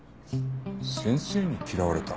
先生に嫌われた？